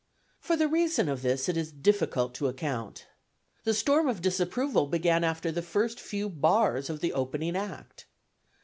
For the reason of this it is difficult to account. The storm of disapproval began after the first few bars of the opening act.